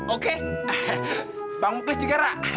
oke bang mukli juga ra